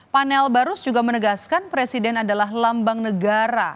panel barus juga menegaskan presiden adalah lambang negara